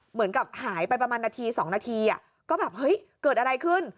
เหมือนกับหายไปประมาณนาที๒นาทีก็แบบเฮ้ยเกิดอะไรขึ้น